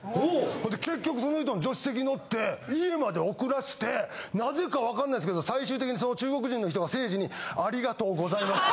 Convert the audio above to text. ほんで結局その人の助手席乗って家まで送らせてなぜかわかんないですけど最終的にその中国人の人がせいじに。